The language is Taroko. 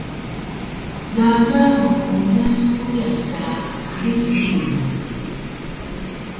Gaga meuyas uyas ka sisil